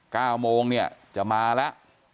เก้าโมงเนี่ยจะมาแล้ว